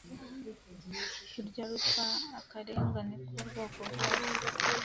Kurya ruswa, akarengane k‟ubwoko bwose,